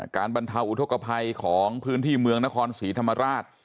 บรรเทาอุทธกภัยของพื้นที่เมืองนครศรีธรรมราช